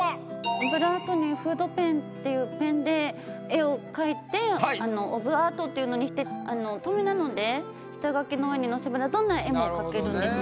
オブラートに「フードペン」っていうペンで絵を書いてオブアートっていうのにして透明なので下書きの上にのせればどんな絵も書けるんですね。